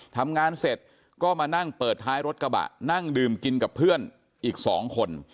ทำงานเสร็จก็มานั่งเปิดท้ายรถกระบะนั่งดื่มกินกับเพื่อนอีก๒คน